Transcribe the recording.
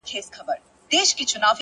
عاقل انسان له تېروتنې نه ځان نه ماتوي!.